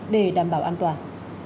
để đảm bảo an toàn